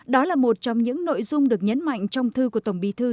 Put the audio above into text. đó là một trong những nội dung được nhấn mạnh trong thư của tổng bí thư